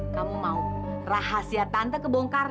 kamu mau rahasia tante kebongkar